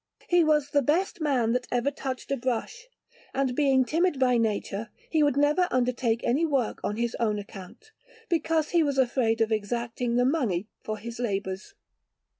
He was the best man that ever touched a brush, and, being timid by nature, he would never undertake any work on his own account, because he was afraid of exacting the money for his labours.